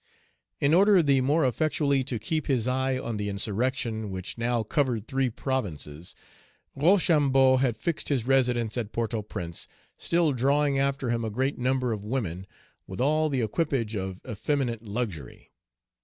In order the more effectually to keep his eye on the insurrection which now covered three provinces, Rochambeau had fixed his residence at Port au Prince, still drawing after him a great number of women, with all the equipage of effeminate luxury.